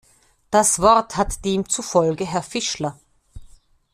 Das Wort hat demzufolge Herr Fischler.